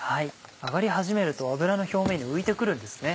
揚がり始めると油の表面に浮いて来るんですね。